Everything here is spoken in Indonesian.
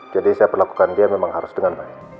jadi siapa lakukan dia memang harus dengan baik